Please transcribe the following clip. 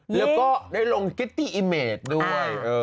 แล้วก็ได้ลงกิตตี้อิเมตด้วย